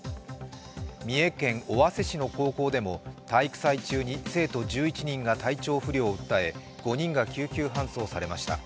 三重県尾鷲市の高校でも体育祭中に生徒１１人が体調不良を訴え５人が救急搬送されました。